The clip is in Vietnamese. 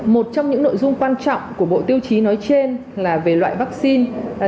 một trong những nội dung quan trọng của bộ tiêu chí nói trên là về loại vaccine